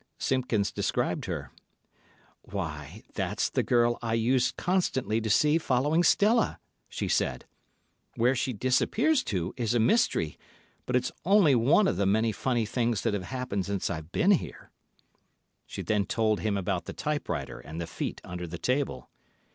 Simpkins described her. "Why that's the girl I used constantly to see following Stella," she said. "Where she disappears to is a mystery, but it's only one of the many funny things that have happened since I've been here." She then told him about the typewriter and the feet under the table.